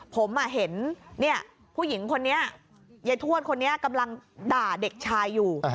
ผมเห็นผู้หญิงคนนี้ยายทวดคนนี้กำลังด่าเด็กชายอยู่